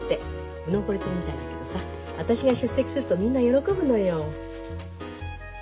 うぬぼれてるみたいだけどさ私が出席するとみんな喜ぶのよ。